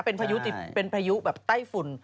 เป็นภายุแบบใต้ฝุ่น